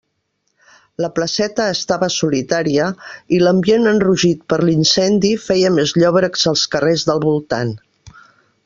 La placeta estava solitària i l'ambient enrogit per l'incendi feia més llòbrecs els carrers del voltant.